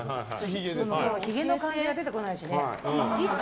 ひげの漢字が出てこないしね。